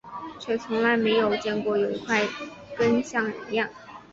却从来没有见过有一块根像人样